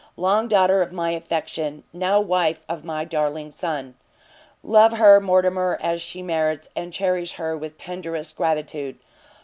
long daughter of my affection, now wife of my darling son! love her, Mortimer, as she merits, and cherish her with tenderest gratitude!